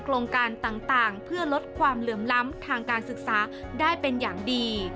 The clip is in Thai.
โครงการต่างเพื่อลดความเหลื่อมล้ำทางการศึกษาได้เป็นอย่างดี